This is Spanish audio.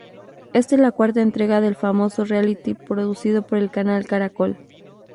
Esta es la cuarta entrega del famoso reality producido por el Canal Caracol.